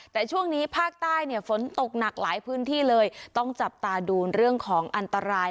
แต่ช่วงนี้ภาคใต้เนี่ยฝนตกหนักหลายพื้นที่เลยต้องจับตาดูเรื่องของอันตราย